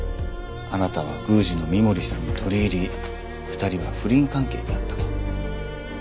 あなたは宮司の深守さんに取り入り２人は不倫関係にあったと。